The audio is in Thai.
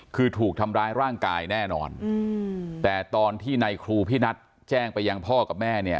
คือถูกทำร้ายร่างกายแน่นอนแต่ตอนที่ในครูพินัทแจ้งไปยังพ่อกับแม่เนี่ย